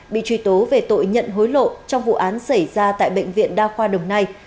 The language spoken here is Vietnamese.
bị truy tố về tội nhận hối lộ trong vụ án xảy ra tại bệnh viện đa khoa đồng nai